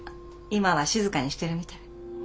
今は静かにしてるみたい。